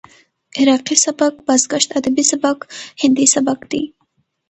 عراقي سبک، بازګشت ادبي سبک، هندي سبک دى.